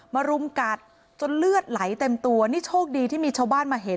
รุมกัดจนเลือดไหลเต็มตัวนี่โชคดีที่มีชาวบ้านมาเห็น